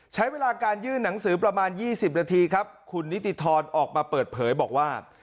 ใช้เวลาการยื่นหนังสือประมาณ๒๐นาทีครับคุณนิติธรออกมาเปิดเผยบอกว่า